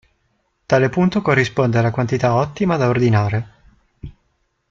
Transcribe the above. Tale punto corrisponde alla quantità ottima da ordinare.